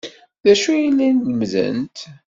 D acu ay la lemmdent?